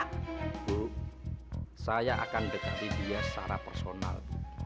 ibu saya akan dekati dia secara personal